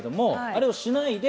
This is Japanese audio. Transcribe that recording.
あれをしないで。